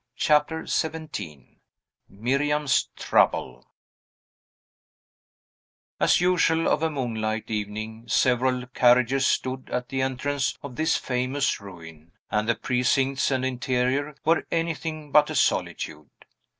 CHAPTER XVII MIRIAM'S TROUBLE As usual of a moonlight evening, several carriages stood at the entrance of this famous ruin, and the precincts and interior were anything but a solitude.